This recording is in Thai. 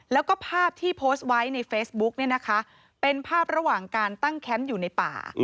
แล้วก็ภาพที่โพสต์ไว้ในเฟซบุ๊กเนี่ยนะคะเป็นภาพระหว่างการตั้งแคมป์อยู่ในป่า